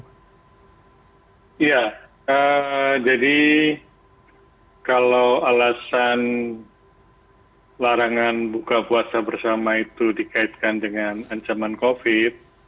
ya jadi kalau alasan larangan buka puasa bersama itu dikaitkan dengan ancaman covid